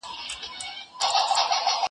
زه اوږده وخت سينه سپين کوم؟